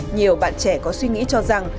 nhiều bạn trẻ có suy nghĩ cho rằng